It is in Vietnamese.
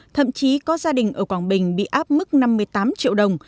thậm chí có gia đình ở quảng bình bị áp mức năm mươi tám triệu đồng